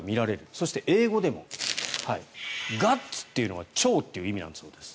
そして、英語でもガッツというのが腸という意味だそうです。